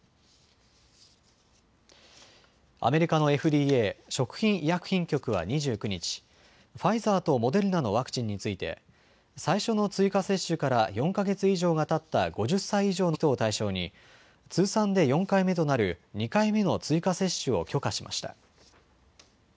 アメリカのＦＤＡ・食品医薬品局は２９日、ファイザーとモデルナのワクチンについて最初の追加接種から４か月以上がたった５０歳以上の人を対象に通算で４回目となる２回目の追加接種を許可しました。